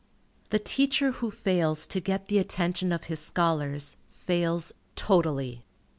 The teacher who fails to get the attention of his scholars, fails totally.